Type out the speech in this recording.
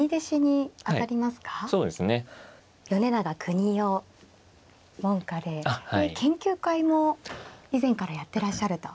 米長邦雄門下で研究会も以前からやってらっしゃると。